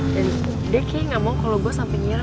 dan dia kayaknya gak mau kalo gue sampe nyerah